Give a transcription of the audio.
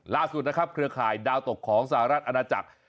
ล่าสุดนะครับเครือข่ายดาวตกของสหรัฐอาณาจักร